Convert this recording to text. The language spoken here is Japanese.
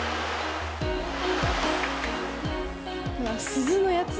鈴のやつ。